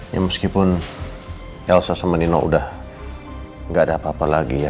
ya meskipun elsa sama nino udah gak ada apa apa lagi ya